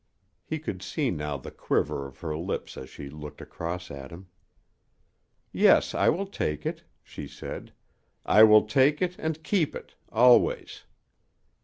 He could see now the quiver of her lips as she looked across at him. "Yes, I will take it," she said. "I will take it and keep it always."